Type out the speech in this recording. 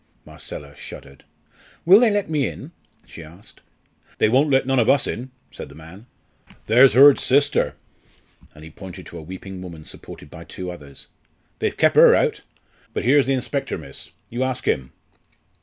Marcella shuddered. "Will they let me in?" she asked. "They won't let none ov us in," said the man. "There's Hurd's sister," and he pointed to a weeping woman supported by two others. "They've kep' her out. But here's the inspector, miss; you ask him."